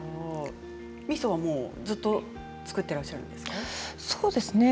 みそはずっと作っていらっしゃるんですか？